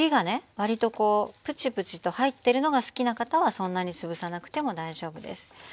わりとぷちぷちと入ってるのが好きな方はそんなに潰さなくても大丈夫です。